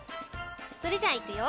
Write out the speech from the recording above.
それじゃあいくよ。